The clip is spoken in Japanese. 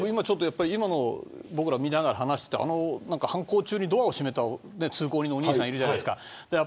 今、見ながら話していて犯行中にドア閉めた通行人の人いるじゃないですか。